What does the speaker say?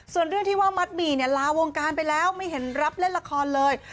ส่วนเรื่องที่ว่ามัดหมี่เนี่ยลาวงการไปแล้วไม่เห็นรับเล่นละครเลย